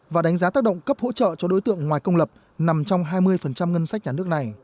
và đánh giá tác động cấp hỗ trợ cho đối tượng ngoài công lập nằm trong hai mươi ngân sách nhà nước này